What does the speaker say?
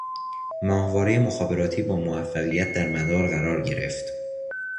ماهوارهٔ مخابراتی با موفقیت در مدار قرار گرفت